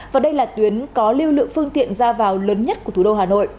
và đây là tuyến có lưu lượng phương tiện ra vào lớn nhất của thủ đô hà nội